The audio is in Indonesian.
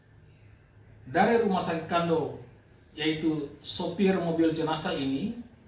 petugas dari rumah sakit kandow yaitu sopir mobil jenasa ini